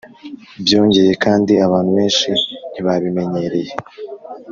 Byongeye kandi abantu benshi ntibabimenyereye